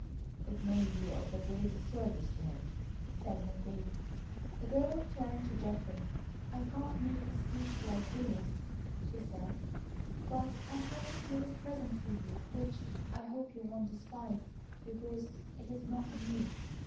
"It may be of the greatest service to him," said McVay. The girl turned to Geoffrey. "I can't make a speech like Billy's," she said, "but I have a small present for you which I hope you won't despise because it is not new.